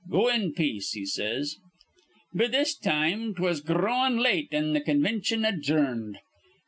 'Go in peace,' he says. "Be this time 'twas gr rowin' late, an' th' convintion adjourned.